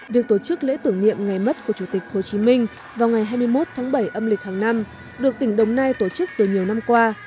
việc tổ chức lễ tưởng niệm ngày mất của chủ tịch hồ chí minh vào ngày hai mươi một tháng bảy âm lịch hàng năm được tỉnh đồng nai tổ chức từ nhiều năm qua